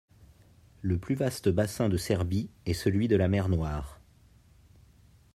Le plus vaste bassin de Serbie est celui de la mer Noire.